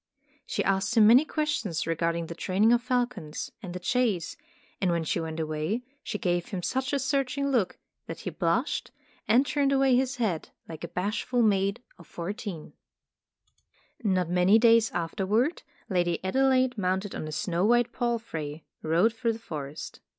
She asked him many questions regard ing the training of falcons, and the chase; and when she went away, she gave him such a searching look, that he blushed, and turned away his head, like a bashful maid of fourteen. 138 Tales of Modern Germany Not many days afterward Lady Adelaide, mounted on a snow white palfrey, rode through the forest.